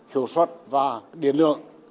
hiệu suất và điện lượng